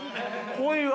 濃いわ！